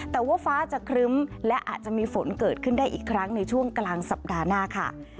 แต่ว่าฟ้าจะครึ้มและอาจจะมีฝนเกิดขึ้นได้อีกครั้งในช่วงกลางสัปดาห์หน้าค่ะ